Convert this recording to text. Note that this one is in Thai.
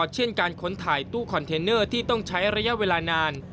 เช่นการค้นถ่ายตู้คอนเทนเนอร์ที่ต้องใช้ระยะเวลานาน